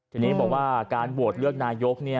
ทีนี้บอกว่าการโหวตเลือกนายก